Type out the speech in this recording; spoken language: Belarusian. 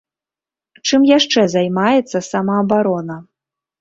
Чым яшчэ займаецца самаабарона?